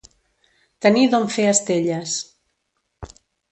Tenir d'on fer estelles.